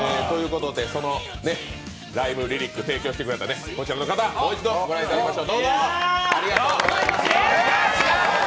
そのライブリリックを提供してくれた、こちらの方、もう一度ご覧いただきましょう。